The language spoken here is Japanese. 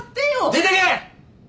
出てけ！